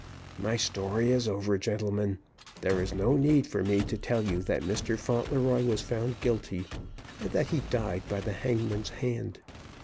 My story is over, gentlemen. There is no need for me to tell you that Mr. Fauntleroy was found guilty, and that he died by the hangman's hand.